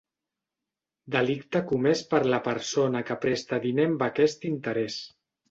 Delicte comès per la persona que presta diner amb aquest interès.